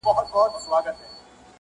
له څنګه سختو عذابو تېرېږم